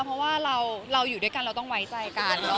เพราะว่าเราอยู่ด้วยกันเราต้องไว้ใจกัน